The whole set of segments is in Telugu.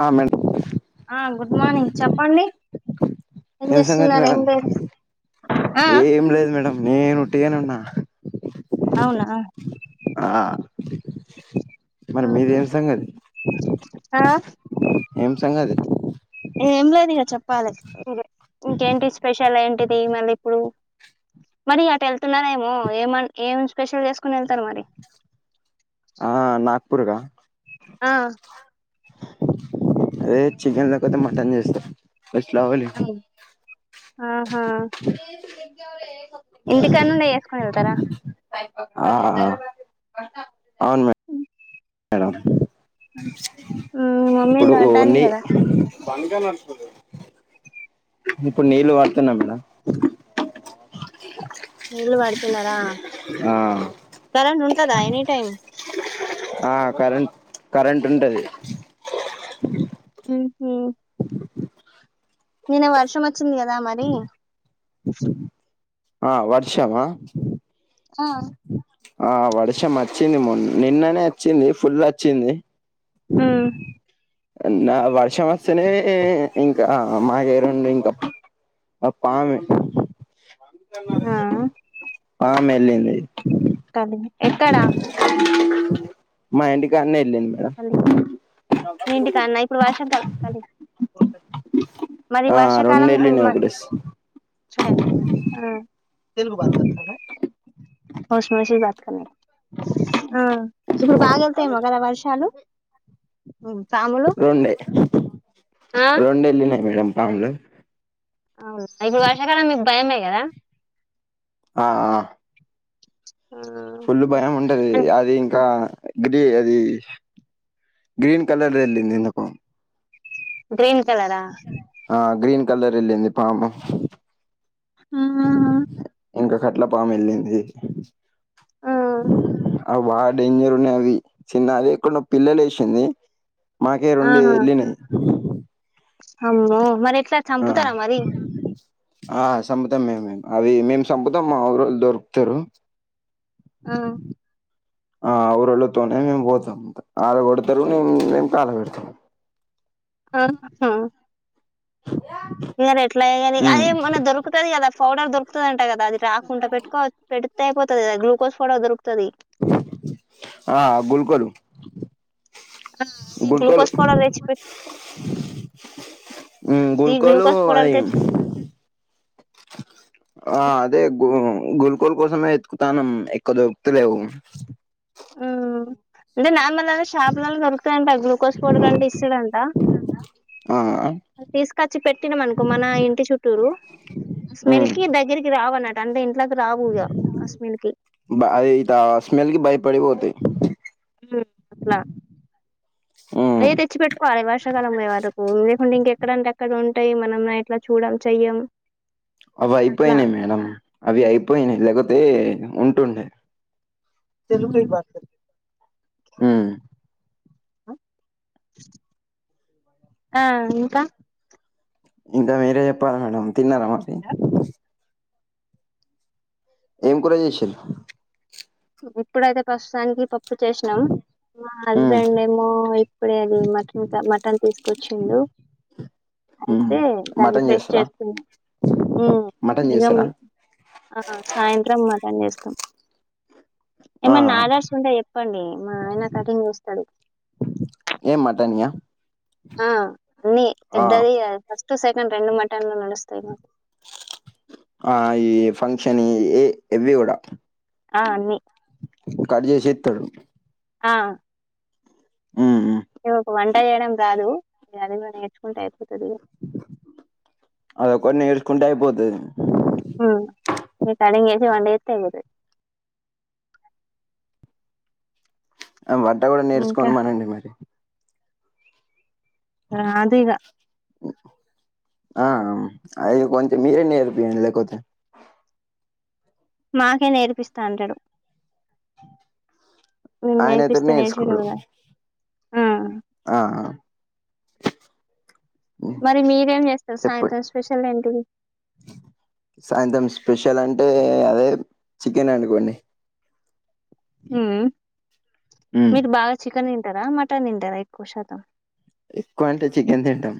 ఆ మేడం ఆ గుడ్ మార్నింగ్ చెప్పండి ఏం సంగతి చేస్తున్నారు ఏం మేడం, లేదు ఆ ఏం లేదు మేడం నేను ఉట్టిగానే ఉన్నా అవునా ఆ మరి మీది ఆహా ఏం సంగతి, ఆ ఏం సంగతి ఏం లేదు ఇక చెప్పాలి, ఇంకేంటి స్పెషల్ ఏంటిది మళ్ళీ ఇప్పుడు మరి అటు వెళ్తున్నారేమో ఏమ ఏం స్పెషల్ చేసుకుని వెళ్తారు మరి. ఆ, నాగపూర్ కా? ఆ అదే చికెన్ లేకపోతే మటన్ చేస్తా, ఫస్ట్ లేవాలి. ఆహా [unintelligible] ఇంటికాడనుండే వేసుకొని వెళ్తారా? ఆ అవును మేడం మ్మ్ మమ్మీ ఇప్పుడు అంటాంది ఓన్ని కదా బంగా నడిచిపోతది ఇప్పుడు నీళ్ళు పడుతున్నాం మేడం నీళ్లు పడుతున్నారా, ఆ కరెంట్ ఉంటందా ఎనీ టైమ్? ఆ కరెంట్, కరెంట్ ఉంటది. ఉహు నిన్న వర్షం వచ్చింది కదా మరి ఆ వర్షమా హా ఆ వర్షం వచ్చింది మొ నిన్ననే వచ్చింది ఫుల్ వచ్చింది ఉ నిన్న వర్షం వస్తేనే ఇంకా [unintelligible] ఆ పామే ఆ పాము వెళ్ళింది కలి ఎక్కడ మా ఇంటికాడనే వెళ్ళింది మేడం కలి మీ ఇంటి కాడానా ఇప్పుడు వర్షం కదా కలి మరి ఆ రెండు వర్షాకాలం ఇప్పుడు వెళ్ళినాయి మ ఒకటేసి వర్షం వచ్చింది బాత్ కర్నె ఆ ఇప్పుడు బాగా వత్తయేమో కదా వర్షాలు పాములు రెండే ఆ రెండు వేళ్ళినాయి మేడం పాములు అవునా ఇప్పుడు వర్షకాలం మీకు భయమే కదా ఆ ఆ ఉ ఫుల్ భయం ఉంటది అది ఇంకా గ్రీ అది గ్రీన్ కలర్ వెళ్ళింది ఎందుకో గ్రీన్ కలరా ఆ గ్రీన్ కలర్ వెళ్ళంది పాము ఊ ఇంకా కట్ల పాము వెళ్ళింది ఆ అవి బాగా డేంజర్ ఉన్నాయి అవి చిన్న అవి ఎక్కడనో పిల్లలు వేసింది మాకే రెండే ఆహా వెళ్లినయి అమ్మో మరి ఎట్లా ఆ చంపుతారా మరి ఆ సంపుతాం మేము అది మేము సంపుతం మా ఊరోళ్ళు దొరుకుతారు ఆ ఆ ఊరళ్ళతోనే మేము పోతాం అల్లు కొడతారు మేము మేం కాల పెడతాము ఆహా ఇగ ఎట్లైన కానీ ఉమ్ అదేమన్నా దొరుకుతది కదా పౌడర్ దొరుకుతది అంట కదా అది రాకుండా పెట్టుకోవ పెడితే అయిపోతుది గాదా గ్లూకోజస్ కూడా దొరుకుతది ఆ గుల్కోలు గుల్కోలు గ్లూకోస్ పౌడర్ తెచ్చి పెట్ ఉమ్ ఈ గుల్కోలు గ్లూకోజ్ పౌడర్ అది తెచ్చి ఆ అదే గు గుల్కల్ కోసమే ఎతుకుతాన్నాం ఎక్కువ దొరుకుతలేవు అంటే నార్మల్ గానే షాపులలో దొరుకుతాయంట గ్లూకోస్ పౌడర్ అంటే ఇస్తాడంట ఆ తీసుకొచ్చి పెట్టినాం అనుకో మన ఇంటి చుట్టూరు ఆ స్మెల్ ఉమ్ కి దగ్గరికి రావు అన్నట్టు అంటే ఇంట్లోకి రావు ఇగా అ స్మెల్ కి బ అది స్మెల్ కి భయపడి పోతయి ఉ ఉమ్ ఆయే తెచ్చి పెట్ వాయే వర్షాకాలం పోయే వరకు లేకుంటే ఇంక ఏక్కడంటే అక్కడ ఉంటాయి మనం ఎట్లా చూడం చెయ్యం అవి అట్లా అయిపోయినాయి మేడం అవి అయిపోయినాయి లేకపోతే ఉంటుండే తెలుగేయ్ బద్ధ. ఉమ్ ఆ ఇంకా. ఇంకా మీరే చెప్పాలా మేడం తిన్నారా మరి. ఏం కూర చేసిర్రు. ఇప్పుడైతే ప్రస్తుతానికి పప్పు చేసినా. మా ఉమ్ హస్బెండ్ ఏమో ఇప్పుడే అది మటన్ మటన్ తీసుకొచ్చిండు. ఉమ్ అయితే దాన్ని మటన్ ఫేస్ చేస్తారా చేస్తున్నా ఉమ్ మటన్ ఇక. చేస్తారా ఆ సాయంత్రం మాటన్ చేస్తాం. ఆ ఏమన్నా ఆదర్స్ ఉంటే చెప్పండి మా ఏయనా కఠంగ్ చూస్తడు. ఏం మాటన్యా. ఆ అన్ని పెద్దది ఫస్ట్ సెకండ్ రెండు మఠల్లో నడుస్తయి మాకు. ఆ ఈ ఫంక్షన్ ఏ ఇవి కూడా. ఆ అన్నీ. కట్ చేసి ఇత్తడు. ఆ. ఉ ఉ. ఇ ఒక వంట చేయడం రాదు ఇ అది కూడా నేర్చుకుంటే అయిపోతది ఇగ. అదొకటి నేర్చుకుంటే అయిపోతది. అవును రికార్డింగ్ చేసి వంట చేస్తే అయిపోతది. వంట కూడా ఇంకా నేర్చుకున్నామనండి మరి. రాదు ఇగ. ఆ అది కొంచెం మీరే నేర్పియండి లేకపోతే. మాకే నేర్పిస్తా అంటాడు. మేము ఆయనయితే నేర్పిస్తే నేర్చకోడు. నేర్చేటోడు కాదు. ఆ! ఆఆ. మరి మీరేం చేస్తారు సాయంత్రం స్పెషల్ ఏంటిది. సాయంత్రం స్పెషల్ అంటే అదే చికెన్ అనుకోండి. ఉ ఉమ్ మీరు బాగా చికెన్ తింటారా మటన్ తింటారా ఎక్కువ శాతం. ఎక్కువ అంటే చికెన్ తింటాం.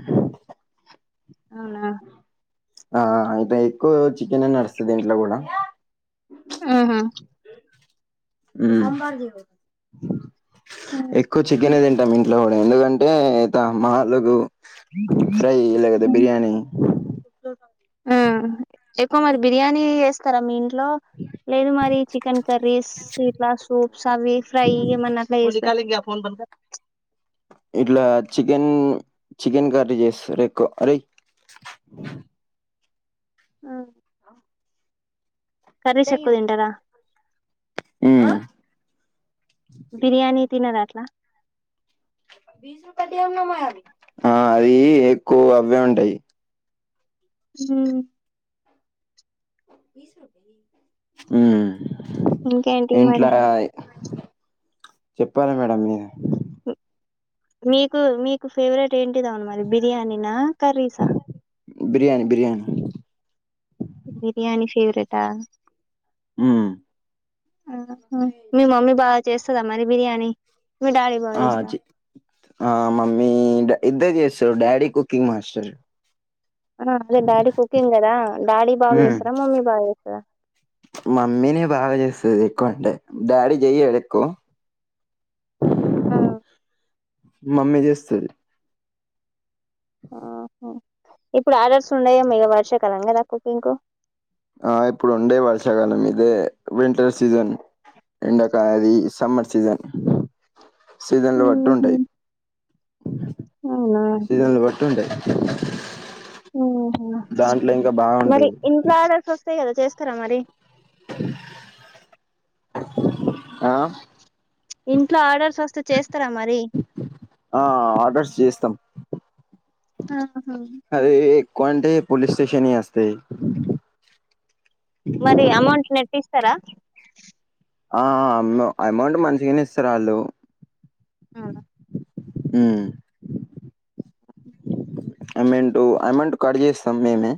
అవునా. ఆ ఆ అంటే ఎక్కువ చికెన్ నడుస్తుంది ఇంట్లో కూడా. ఆహా. ఉ హ్మ్. ఎక్కువ చికెన్ తింటా ఇన్. లో ఎందుకంటే ఇత మాలకు ఫ్రై తీయలే కదా బిర్యానీ. ఆ ఎక్కువ మరి బిర్యానీ వేస్తారా మీ ఇంట్లో. లేదు మరి చికెన్ కర్రీస్. సీట్లా సూప్స్ అవి ఫ్రై మనకు. ఇట్లా చికెన్ చికెన్ కర్రీ చేస్తరు ఎక్కువ అరే. ఆ. కర్రీస్ ఎక్కువ తింటారా. ఊ. బిర్యానీ తినరా అట్లా. అ అది ఎక్కువ అవే ఉంటాయి. హ. ఇంకేంటి ఇంట్లో. మరి చెప్పాలి మేడం మీరే మీకు మీ మీ ఫేవరెట్ ఏంటిదాన్ మరి బిర్యానీ నా కర్రీసా బిర్యానీ బిర్యానీ బిర్యాని ఫేవరెట్ ఆ మ్మ్ మీ మమ్మీ బాగా చేస్తాదా మరి బిర్యానీ మీ డాడీ బాగా ఆ చేస్తారా చే త్ ఆ మమ్మీ ఇద్దరు చేస్తారు డాడీ కుకింగ్ మాస్టర్ అదే డాడీ కుకింగ్ కదా డాడీ బాగా ఉమ్ చేస్తారా మమ్మీ బాగా చేస్తాద మమ్మీనే బాగా చేస్తాది ఎక్కువ అంటే డాడీ చెయ్యాడు ఎక్కు ఉనా ఆ మమ్మీ చేస్తాది ఆహ ఇప్పుడు ఆర్డర్స్ ఉండవేమోగ ఇక వర్షాకాలం కదా కుకింగ్ కు ఆ ఇప్పుడు ఉండే వర్షాకాలం ఇదే వింటార్ సీజన్ ఎండక అది సమ్మర్ సీజన్ సీజన్లు బట్టు ఊహు ఉంటాయి అవునా సీజన్లు బట్టి ఉంటాయి దాంట్లో ఇంకా మరి బాగుంటది ఇంట్లో అర్డర్స్ వస్తాయి కదా చేస్తారా మరి ఆ ఇంట్లో ఆర్డర్స్ వస్తే చేస్తారా మరి ఆ ఆర్డర్స్ చేస్తాం ఆహా అదే ఎక్కువంటే పోలీస్ స్టేషన్ వి వస్తాయ్ మరి అమౌంట్ నెట్ట్ ఇస్తారా ఆ అమౌంట్ మంచిగానే ఇస్తారు వాళ్ళు అవున మ్మ్ అవును [unintelligible] అమౌంటు అమౌంట్ కడజేస్తాం మేమే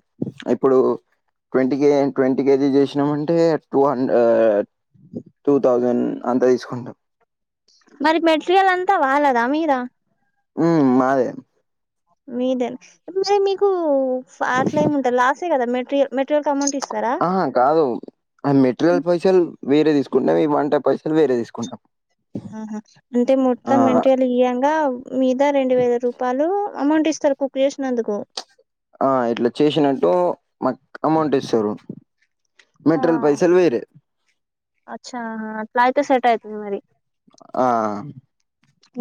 ఇప్పుడు ట్వంటీ కే ట్వంటీ కేజీస్ చేసినామంటే టూ హండ టూ థౌజండ్ అంతా తీసుకుంటాం మరి మెటీరియల్ అంతా వాళ్ళాదా మీద మ్మ్ మాదే మీదే మే మీకు అట్లా ఏమి ఉంటాయి లాస్ ఏ కదా మెటీరియల్ మెటీరియల్ కీ అమౌంట్ ఇస్తార ఆ కాదు ఆ మెటీరియల్ పైసలు వేరే తీసుకుంటాం ఈ వంట పైసలు వేరే తీసుకుంటాం ఆహా అంటే ఆ! మొత్తం మెట్ తీయంగా మీద రెండు వేల రూపాయలు అమౌంట్ ఇస్తారు కుక్ చేసినందుకు ఆ ఇట్లా చేసినట్టు మాకు అమౌంట్ ఇస్తారు ఆ మెట్రాల్ పైసల్ వేరే అచ్చా హా అట్లా అయితే సెట్ అయితాది మరి ఆ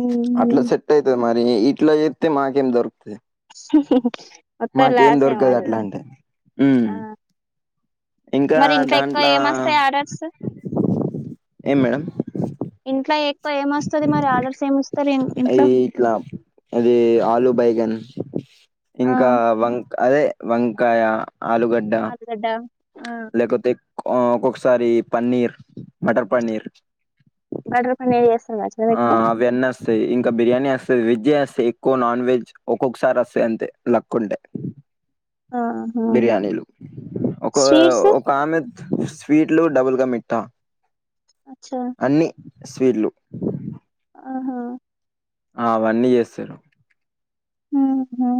ఉహు. అట్లా సెట్ సెట్ అయితాది మరి ఇట్లా చేత్తే మాకేం దొరుకుతాది ఉ హు హు మాకేం దొరకదు అట్లా అంటే ఆ ఇంకా మరి ఇంట్లో ఎక్కువ దాంట్ల ఏమొస్తాయి ఆర్డర్స్ ఏం మేడం ఇంట్లో ఎక్కువ ఏమొస్తది మరి ఆర్డర్స్ ఏమిస్తారు ఈ ఇంట్లో ఇట్లా అది ఆలూ బేగన్ ఆ ఇంకా వంక్ అదే వంకాయ ఆలుగడ్డ డ్డ ఆ లేకపోతే ఒక్కొక్కసారి పన్నీర్ మటర్ పన్నీర్ బటర్ పన్నీర్ చేస్తారు కావచ్చు కదా ఆ ఎక్కువ వేన్నేస్ వస్తాయి ఇంకా బిర్యానీ ఏస్తది వెజ్జే ఏస్ ఎక్కువ నాన్ వెజ్ ఒక్కొక్కసారి వస్తాయి అంతే లక్ ఉంటే ఆ బిర్యానీలు ఒక ఒక ఆమె స్వీట్లు డబుల్గా మిఠా అచ్చా అన్ని స్వీట్లు ఆహా ఆ అవన్నీ చేస్తారు ఆహ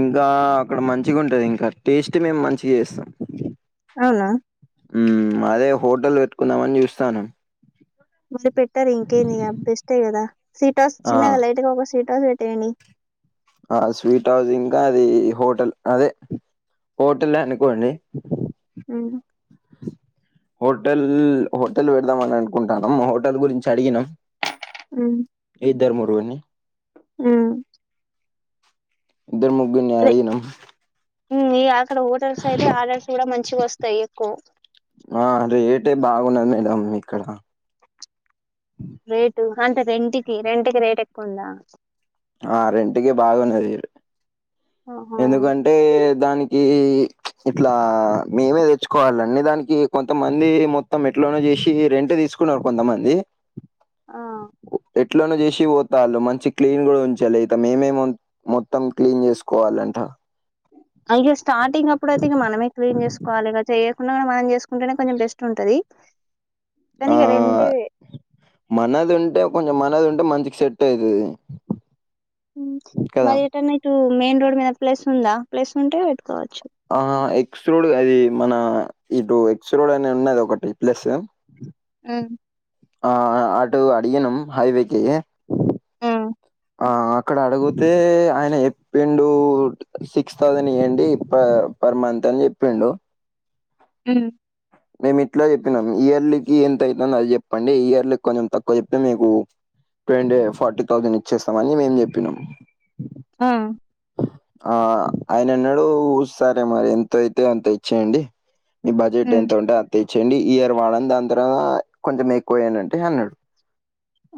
ఇంకా అక్కడ మంచిగా ఉంటది ఇంకా టేస్ట్ మేము మంచిగా చేస్తాం అవునా మ్ అదే హోటల్ పెట్టుకుందామని చూస్తనం మళ్ళీ పెట్టారు ఇంకేందిగ బెస్టే కదా సీటౌస్ ఆ చిన్నగా లైట్గా ఒక సీటౌస్ పెట్టేయండి ఆ స్వీట్ హౌస్ ఇంకా అది హోటల్ అదే హోటలే అనుకొండి మ్ హోటల్ హోటల్ పెడదామని అనుకుంటానమ్ హోటల్ గురించి అడిగినాం మ్ ఇద్దరు ముడుగోని మ్ ఇద్దరు ముగ్గుర్ని అడిగినం మ్ అక్కడ హోటల్స్ అయితే ఆర్డర్స్ కూడా మంచిగ వస్తాయి ఎక్కువ ఆ రేటే బాగున్నది మేడం ఇక్కడ రేటు అంటే రెంట్కి రెంట్కి రేటు ఎక్కువ ఉందా ఆ రెంటికి బాగున్నది ఆహా ఎందుకంటే దానికి ఇట్లా మేమే తెచ్చుకోవాలండి దానికి కొంతమంది మొత్తం ఎట్లోనే చేసి రెంట్ే తీసుకున్నారు కొంతమంది ఆ ఎట్లనో చేసి పోతా మంచిగ క్లీన్ కూడా ఉంచాలి అయితే మేమే మొత్తం క్లీన్ చేస్ కోవలంట అయితే స్టార్టింగ్ అప్పుడు అయితే ఇగ మనమే క్లీన్ చేసుకోవాలి ఇగ చేయకుండా మనం చేసుకుంటేనే కొంచెం బెస్ట్ ఉంటది కని ఆ ఇగ రెంటే మనది ఉంటే కొంచెం మనది ఉంటే మంచిగ సెట్ అయితది మ్ కదా మరి ఏటన్నా ఇటు మెయిన్ రోడ్ మీద ప్లేస్ ఉందా ప్లస్ ఉంటే పెట్టుకోవచ్చు ఆ ఎక్స్ రోడ్ అది మన ఇటు ఎక్స్ రోడ్ అనే ఉన్నది ఒకటి ప్లస్ మ్ ఆ అటు అడిగినం హైవేకి హ్మ్. ఆ అక్కడ అడుగుతే ఆయన చెప్పిండు సిక్స్ థౌసండ్ ఇయండి ఇ పర్ మంత్ అని చెప్పిండు అమ్ మేము ఇట్లో చెప్పినాం ఇయర్లీకి ఎంత అవుతుందో అది చెప్పండి ఇయర్లీ కొంచెం తక్కువ చెప్తే మీకు చెప్పేయండి ఫార్టీ థౌజండ్ ఇచ్చేస్తాం అని మేం చెప్పినాం ఆ ఆ ఆయన అన్నాడు ఊ సరే మరి ఎంత అయితే అంత ఇచ్చేయండి ఈ బడ్జెట్ హ్మ్. ఎంత ఉంటే అంత తెచ్చయండి ఈ ఇయర్ వాడని దాని తర్వాత కొంచెం ఎక్కువేయడి అంటే అన్నాడు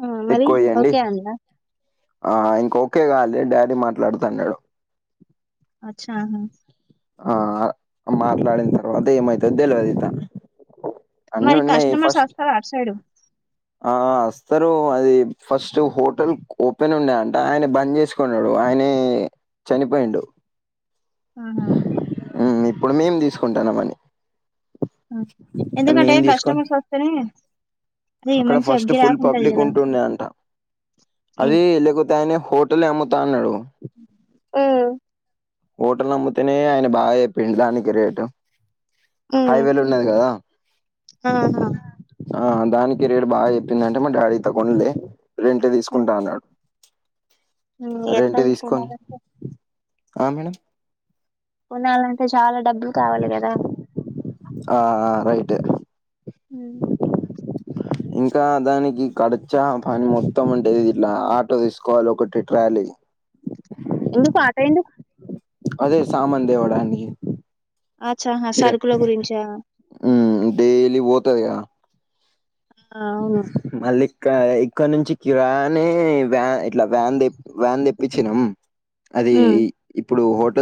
ఆ మరి ఎక్కువ ఇయండి ఓకే అందా ఆ ఇంక ఒకే కాలి డాడీ మాట్లాడుతు తా అన్నాడు అచ్చా ఆ మాట్లాడిన తర్వాత ఏమైతది తెలివదు ఇత మరి కస్టమర్స్ వస్తారు ఆటుసైడు ఆ వస్తారు అది ఫస్ట్ హోటల్ ఓపెన్ ఉండే అంట ఆయన బంద్ చేసుకు చసుకున్నాడు ఆయనే చనిపోయిండు ఆహామ్ ఉమ్ ఇప్పుడు మేం తీసుకుంటానమని ఎందుకంటే మేము తీసుకొని కస్టమర్స్ వస్తేనే అది అక్కడ మంచిగా ఫస్ట్ ఫుల్ గిరాకు ఉంటది పబ్లిక్ కదా ఉంటుండే అంట అది ఉమ్ లేక అయినే హోటల్ అమ్ముతాన్నడు ఆమ్ హోటల్ అమ్ముతేనే ఆయన బాగా చెప్పిండు దానికి రేటు ఉమ్ హైవేలు ఉన్నది కదా ఆహా ఆ దానికి రేటు బాగా చెప్పింది అంటే మా డాడీ త కొండలే రెంట్ హ్మ్. తీసుకుంటా అన్నాడు ఉమ్, ఎట్లా రెంట్ తీసుకోని కొనాలంటే ఆ మేడం కొనాలంటే చాలా డబ్బులు కావాలి కదా ఆ రైట్ ఉమ్. ఇంకా దానికి కడచా పని మొత్తం ఉంటేది ఇట్లా ఆటో తీసుకోవాలి ఒకటి ట్రాలీ ఎందుకు ఆటో ఎంది అదే సామాన్ తేవడానికి అచ్చా ఆ సరుకుల గురించా ఉమ్ డైలీ పోతదిగా ఆ అవును మళ్ళీ ఇక్క ఇక్కడ నుంచి కిరాని వ్యాన్ ఇట్లా వ్యాన్ వ్యాన్ తెప్పించినం అది ఉమ్ ఇప్పుడు హోటల్